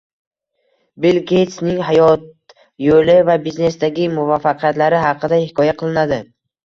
Bill Geytsning hayot yo‘li va biznesdagi muvaffaqiyatlari haqida hikoya qilinadi